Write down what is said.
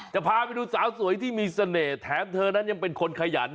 จะพาไปดูสาวสวยที่มีเสน่ห์แถมเธอนั้นยังเป็นคนขยัน